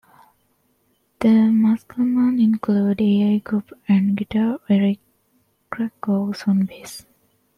The Musclemen included Al Kooper on guitar and Eric Krackow on bass.